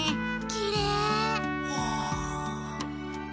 きれい！